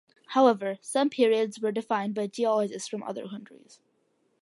However, some periods were defined by geologists from other countries.